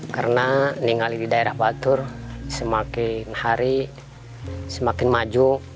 karena tinggal di daerah batur semakin hari semakin maju